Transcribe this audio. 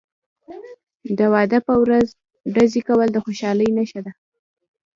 د واده په ورځ ډزې کول د خوشحالۍ نښه ده.